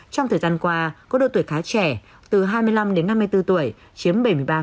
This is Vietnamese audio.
trong thời gian qua có độ tuổi khá trẻ từ hai mươi năm đến năm mươi bốn tuổi chiếm bảy mươi ba